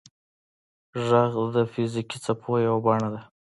• ږغ د فزیکي څپو یوه بڼه ده.